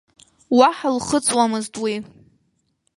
Уаҳа лхыҵуамызт уи.